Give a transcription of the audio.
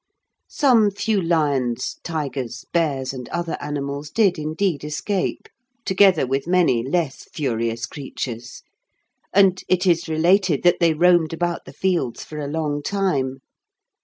Some few lions, tigers, bears, and other animals did indeed escape, together with many less furious creatures, and it is related that they roamed about the fields for a long time.